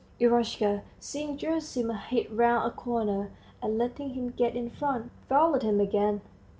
Eroshka, seeing Gerasim, hid round a corner, and letting him get in front, followed him again.